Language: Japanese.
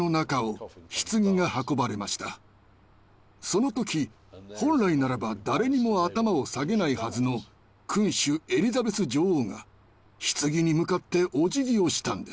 その時本来ならば誰にも頭を下げないはずの君主エリザベス女王が棺に向かっておじぎをしたんです。